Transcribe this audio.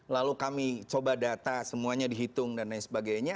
lalu kami coba data semuanya dihitung dan lain sebagainya